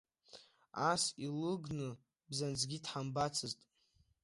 Ас илыгны бзанҵыкгьы дҳамбацызт.